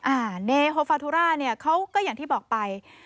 เนโฮฟาทุราเนี่ยเขาก็อย่างที่บอกไป